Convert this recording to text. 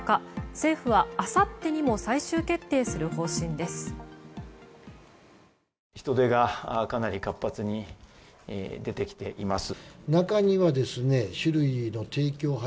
政府はあさってにも最終決定する方針です。